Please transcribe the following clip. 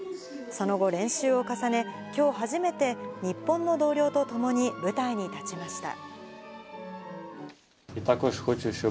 その後、練習を重ね、きょう初めて日本の同僚と共に、舞台に立ちました。